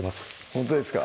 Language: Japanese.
ほんとですか？